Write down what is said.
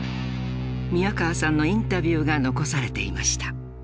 宮河さんのインタビューが残されていました。